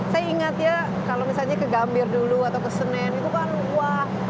saya ingat ya kalau misalnya ke gambir dulu atau ke senen itu kan wah